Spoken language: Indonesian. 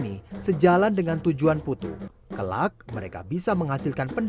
iskandar yang changed